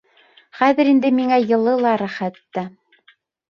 Хәҙер инде миңә йылы ла, рәхәт тә.